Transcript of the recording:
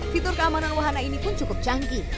fitur keamanan wahana ini pun cukup canggih